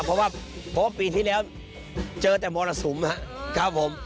เพราะว่าเพราะว่าปีที่แล้วเจอแต่มรสุมครับผม